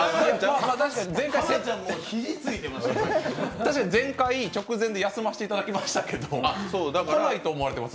確かに前回、直前で休ませていただきましたけど、来ないと思われてます？